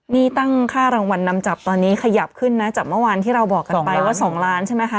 นี่ตั้งค่ารางวัลนำจับตอนนี้ขยับขึ้นนะจากเมื่อวานที่เราบอกกันไปว่า๒ล้านใช่ไหมคะ